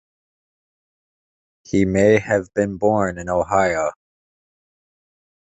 He may have been born in Ohio.